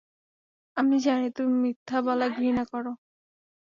আমি জানি তুমি মিথ্যা বলা ঘৃণা কর।